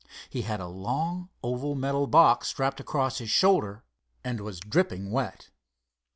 He had a long, oval metal box strapped across his shoulder, and was dripping wet.